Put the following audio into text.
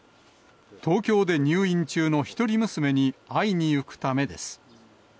東京で入院中の一人娘に会いに行くためです。